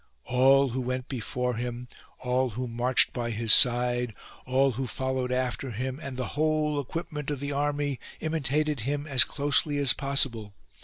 All who went before him, all who marched by his side, all who followed after him and the whole equipment of the army imitated him as closely as possible.